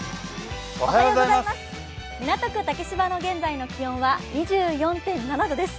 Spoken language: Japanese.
港区竹芝の現在の気温は２４．７度です。